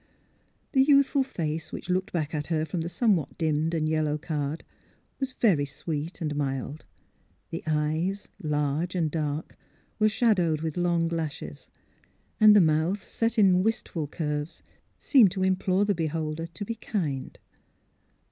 The youthful face which looked back at her from the somewhat dimmed and yellowed card was very sweet and mild; the eyes, large and dark, were shadowed with long lashes, and the mouth, set in wistful curves, seemed to implore the beholder to be kind.